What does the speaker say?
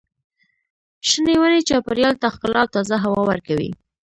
شنې ونې چاپېریال ته ښکلا او تازه هوا ورکوي.